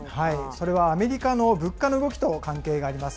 それはアメリカの物価の動きと関係があります。